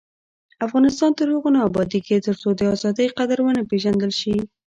افغانستان تر هغو نه ابادیږي، ترڅو د ازادۍ قدر ونه پیژندل شي.